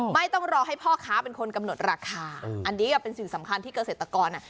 ไม่ต้องรอให้พ่อค้าเป็นคนกำหนดราคาอันนี้ก็เป็นสิ่งสำคัญที่เกษตรกร